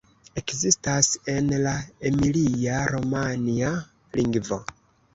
Ekzistas en la emilia-romanja lingvo.